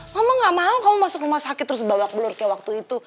mama gak mau kamu masuk rumah sakit terus babak belur kayak waktu itu